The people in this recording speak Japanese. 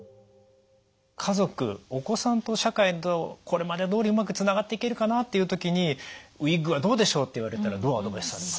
家族お子さんと社会とこれまでどおりうまくつながっていけるかなという時に「ウイッグはどうでしょう」と言われたらどうアドバイスされますか？